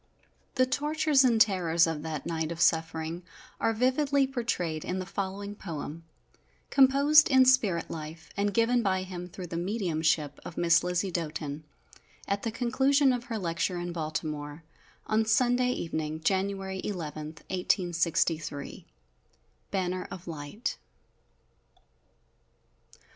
The tortures and terrors of that night of suffering are vividly portrayed in the following poem, composed in spirit life, and given by him through the mediumship of Miss Lizzie Doten, at the conclusion of her lecture in Baltimore, on Sunday evening, January 11, 1863." _Banner of Light.